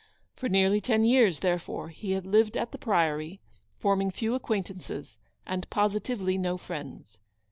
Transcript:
For nearly ten years, therefore, he had lived at the Priory, forming few acquaintances, and positively no friends.